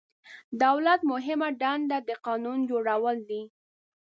دولت مهمه دنده د قانون جوړول دي.